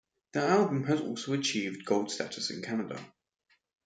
The album has also achieved gold status in Canada.